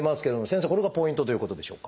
これがポイントということでしょうか？